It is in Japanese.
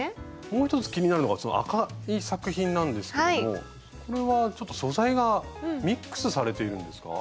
もう１つ気になるのがその赤い作品なんですけどもこれはちょっと素材がミックスされているんですか？